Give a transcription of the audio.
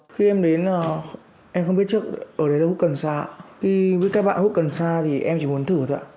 khi em đến là em không biết trước ở đây hút cần xa khi với các bạn hút cần xa thì em chỉ muốn thử thôi ạ